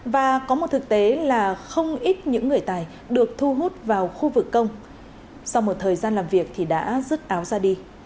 và có một thực tế là không ít những người tài được thu hút vào khu vực công sau một thời gian làm việc thì đã rứt áo ra đi